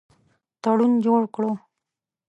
تړون جوړ کړو.